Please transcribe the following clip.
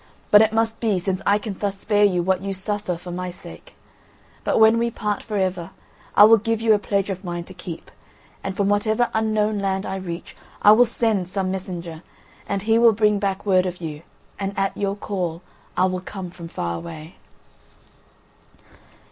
But it must be, since I can thus spare you what you suffer for my sake. But when we part for ever I will give you a pledge of mine to keep, and from whatever unknown land I reach I will send some messenger, and he will bring back word of you, and at your call I will come from far away."